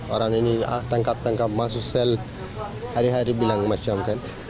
orang ini tangkap tangkap masuk sel hari hari bilang macam kan